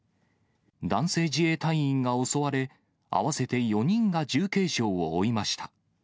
男性自衛隊員が襲われ、合わせて４人が重軽傷を負いました。